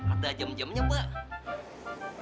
ada jam jamnya mbak